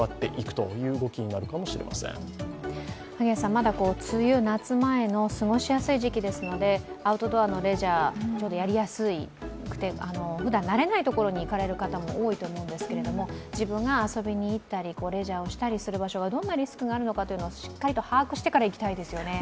まだ梅雨、夏前の過ごしやすい時期ですので、アウトドアのレジャーやりやすくて、ふだん慣れないところに行かれる方も多いと思うんですけれども自分が遊びに行ったりレジャーをしたりする場所がどんなリスクがあるのかをしっかりと把握してから行きたいですよね。